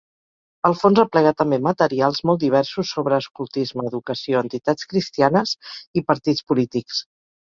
El fons aplega també materials molt diversos sobre escoltisme, educació, entitats cristianes i partits polítics.